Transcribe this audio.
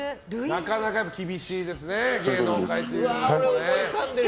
なかなか厳しいですね芸能界というのはね。